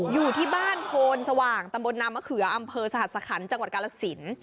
อยู่ที่บ้านโพนสว่างตำบลนามะเขืออำเภอสหัสคันจังหวัดกาลสิน